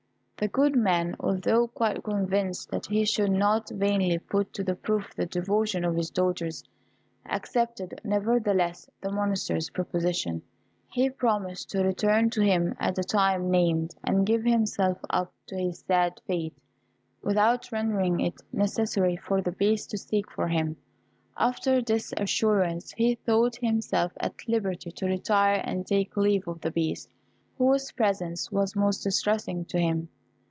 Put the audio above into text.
The good man, although quite convinced that he should not vainly put to the proof the devotion of his daughters, accepted, nevertheless, the Monster's proposition. He promised to return to him at the time named, and give himself up to his sad fate, without rendering it necessary for the Beast to seek for him. After this assurance he thought himself at liberty to retire and take leave of the Beast, whose presence was most distressing to him.